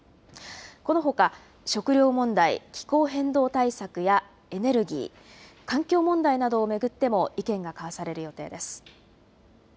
このほか食料問題、気候変動対策やエネルギー、環境問題などを巡っても意見が交わされる予定です。